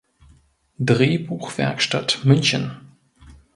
Drehbuchwerkstatt München.